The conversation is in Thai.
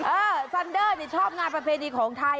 เออซันเดอร์ชอบงานประเพณีของไทย